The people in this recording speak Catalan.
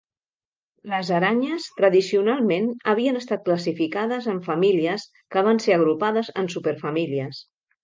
Les aranyes, tradicionalment, havien estat classificades en famílies que van ser agrupades en superfamílies.